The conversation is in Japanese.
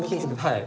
はい。